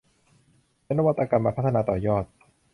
และนวัตกรรมมาพัฒนาต่อยอด